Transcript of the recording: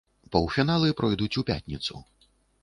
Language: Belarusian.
Паўфіналы пройдуць у пятніцу.